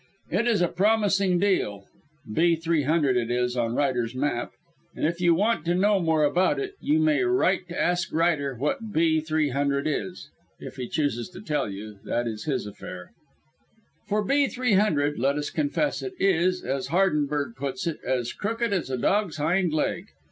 It is a promising deal (B. 300 it is on Ryder's map), and if you want to know more about it you may write to ask Ryder what B. 300 is. If he chooses to tell you, that is his affair. For B. 300 let us confess it is, as Hardenberg puts it, as crooked as a dog's hind leg.